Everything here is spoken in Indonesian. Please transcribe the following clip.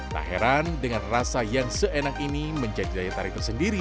tak heran dengan rasa yang sejenak ini menjadi daya tarik tersendiri